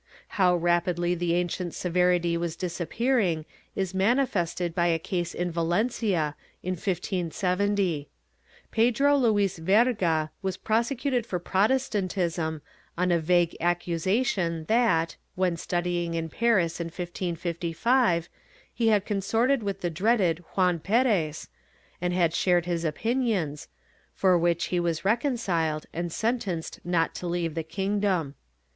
^ How rapidly the ancient severity was disappearing is manifested by a case in Valencia, in 1570. Pedro Luis Verga was prosecuted for Protestantism on a vague accusation that, when studying in Paris in 1555, he had consorted with the dreaded Juan Perez and had shared his opinions, for which he was reconciled and sentenced not to leave the kingdom.